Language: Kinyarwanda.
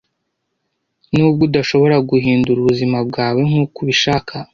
Nubwo udashobora guhindura ubuzima bwawe nkuko ubishaka,